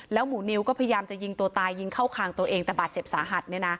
หมูนิวก็พยายามจะยิงตัวตายยิงเข้าคางตัวเองแต่บาดเจ็บสาหัส